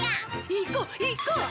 行こう行こう！